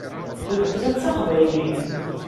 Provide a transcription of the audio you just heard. Weltma d taqbaylit.